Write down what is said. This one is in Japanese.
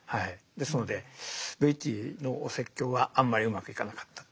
ですのでベイティーのお説教はあんまりうまくいかなかった。